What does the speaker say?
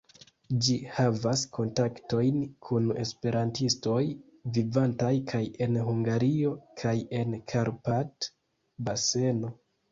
Li havas kontaktojn kun esperantistoj, vivantaj kaj en Hungario, kaj en Karpat-baseno.